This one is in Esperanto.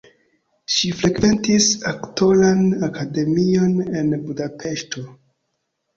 Ŝi frekventis aktoran akademion en Budapeŝto.